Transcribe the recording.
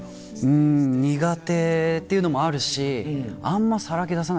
うん苦手っていうのもあるし。